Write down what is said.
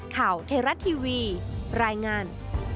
ข่าวเทราะห์ทีวีรายงาน